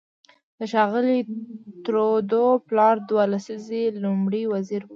د ښاغلي ترودو پلار دوه لسیزې لومړی وزیر و.